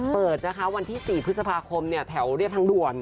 เปิดนะคะวันที่๔พฤษภาคมแถวเรียบทางด่วน